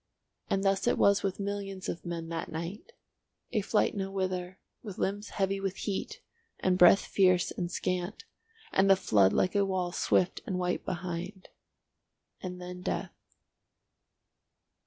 And thus it was with millions of men that night—a flight nowhither, with limbs heavy with heat and breath fierce and scant, and the flood like a wall swift and white behind. And then death.